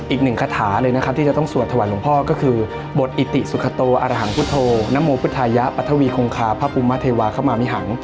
อีกหนึ่งคาถาเลยที่จะต้องสวดทวรรณหลวงพ่อก็คือบทอิติสุขโตอารหังพุทโธนโมพุทัยะปัทวีคงคาภพุมธวาขมามิหัง